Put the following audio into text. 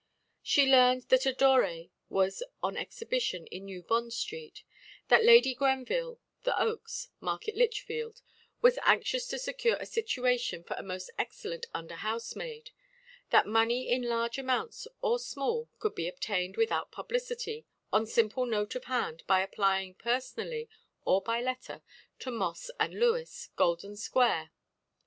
She learned that a Doré was on exhibition in New Bond street, that Lady Grenville, The Oaks, Market Litchfield, was anxious to secure a situation for a most excellent under housemaid, that money in large amounts or small could be obtained without publicity on simple note of hand by applying personally or by letter to Moss & Lewes, Golden Square.